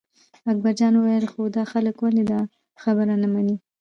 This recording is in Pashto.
اکبرجان وویل خو دا خلک ولې دا خبره نه مني.